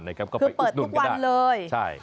ก็ไปอุดนุ่นกันได้ใช่คือเปิดทุกวันเลย